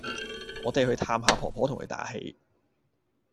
我哋去探下婆婆同佢打氣